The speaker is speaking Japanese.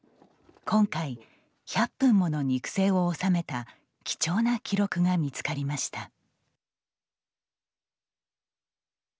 今回１００分もの肉声を収めた貴重な記録が見つかりました。